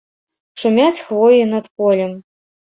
Шумяць хвоі над полем.